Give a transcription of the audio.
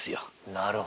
なるほど。